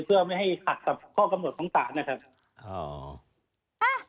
เพื่อไม่ให้ขัดกับข้อกำหนดของศาลนะครับ